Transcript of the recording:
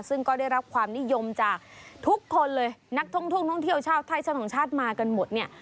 ซึ่งก็ได้รับความนิยมจากทุกคนเลยนักท่องเที่ยวชาวไทยชาวต่างชาติมากันหมดเนี่ย